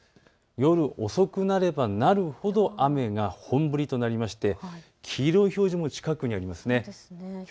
夜遅くなればなるほど雨が本降りとなりまして黄色い表示も近くにあります。